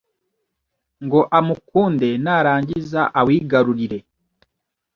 ngo amukunde narangiza awigarurire.